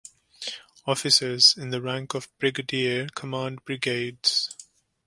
Officers in the rank of brigadier command brigades.